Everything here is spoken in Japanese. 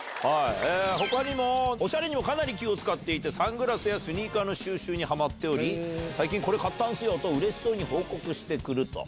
ほかにも、おしゃれにもかなり気を遣っていて、サングラスやスニーカーの収集にはまっており、最近、これ、買ったんすよと、うれしそうに報告してくると。